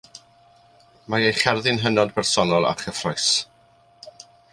Mae ei cherddi'n hynod bersonol a chyffrous.